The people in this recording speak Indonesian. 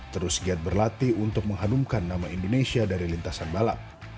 terus giat berlatih untuk menghanumkan nama indonesia dari lintasan balap